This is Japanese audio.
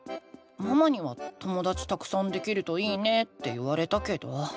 ママには「ともだちたくさんできるといいね」って言われたけど。